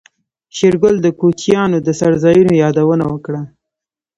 شېرګل د کوچيانو د څړځايونو يادونه وکړه.